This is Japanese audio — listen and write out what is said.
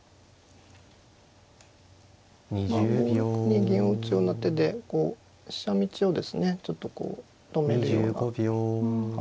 まあ５六に銀を打つような手でこう飛車道をですねちょっとこう止めるような発想。